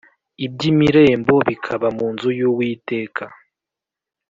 Iby’imirembo bikaba mu nzu y Uwiteka